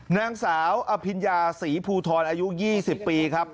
นางสาวอภิญญาศรีภูทรอายุ๒๐ปีครับ